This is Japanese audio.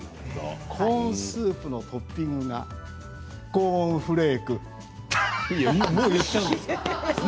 コーンスープのトッピングがコーンフレーク。